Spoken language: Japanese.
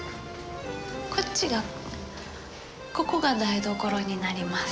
こっちがここが台所になります。